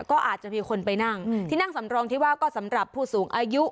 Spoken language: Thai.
ก็อาจจะมีคนไปนั่งที่นั่งสำรองที่ว่าก็สำหรับผู้สูงอายุ